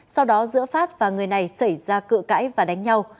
sau đó giữa phát và người này xảy ra cự cãi và đánh nhau